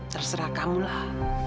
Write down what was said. terserah kamu lah